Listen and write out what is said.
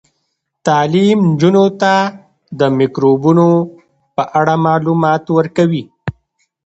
تعلیم نجونو ته د میکروبونو په اړه معلومات ورکوي.